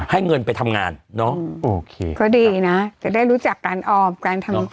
ให้เงินไปทำงานเนอะโอเคก็ดีนะจะได้รู้จักการออมการทำงาน